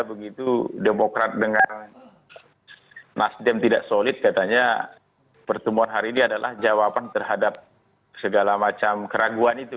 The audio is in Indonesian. begitu demokrat dengan nasdem tidak solid katanya pertemuan hari ini adalah jawaban terhadap segala macam keraguan itu